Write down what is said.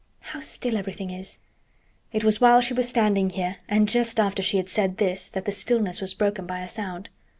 How still everything is!" It was while she was standing here and just after she had said this that the stillness was broken by a sound.